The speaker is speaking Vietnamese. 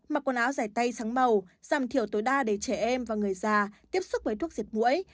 mặc quần áo giải tay sáng màu giảm thiểu tối đa để trẻ em và người già tiếp xúc với thuốc diệt mũi